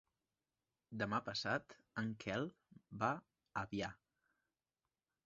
Demà passat en Quel va a Avià.